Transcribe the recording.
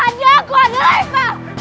hadiah aku hadiah leva